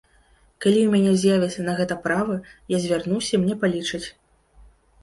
Калі ў мяне з'явіцца на гэта права, я звярнуся і мне палічаць.